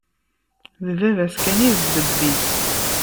D baba-s kan i d ddeb-is.